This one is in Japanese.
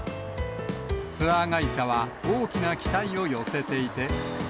ツアー会社は大きな期待を寄せていて。